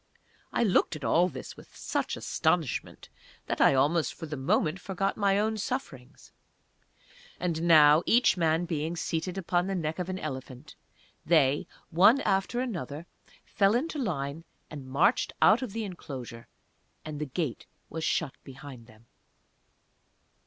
I looked at all this with such astonishment that I almost for the moment forgot my own sufferings. And now, each man being seated upon the neck of an elephant, they, one after another, fell into line and marched out of the enclosure, and the gate was shut behind them.